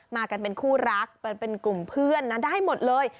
มากันเป็นคู่รักเป็นกลุ่มเพื่อนนะได้หมดเลย